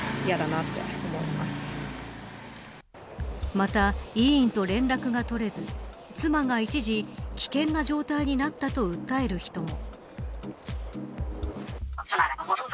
また医院と連絡が取れず妻が一時、危険な状態になったと訴える人も。